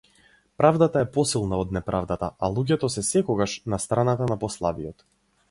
Правдата е посилна од неправдата, а луѓето се секогаш на страната на послабиот.